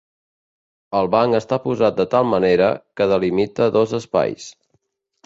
El banc està posat de tal manera que delimita dos espais.